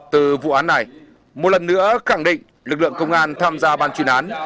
từ vụ án này một lần nữa khẳng định lực lượng công an tham gia ban chuyên án